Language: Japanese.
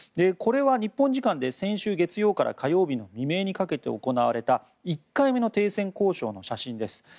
これは日本時間で先週月曜から火曜の未明にかけて行われた１回目の停戦交渉の写真です。